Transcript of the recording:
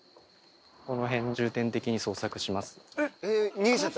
この辺を重点的に捜索します。